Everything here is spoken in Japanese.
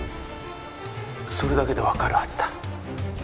それだけでわかるはずだ。